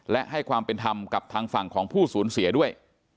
และให้ความเป็นธรรมกับทางฝั่งของผู้สูญเสียด้วย